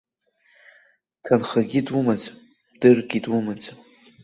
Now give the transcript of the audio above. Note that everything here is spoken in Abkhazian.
Ҭынхагьы думаӡам, дыргьы думаӡам!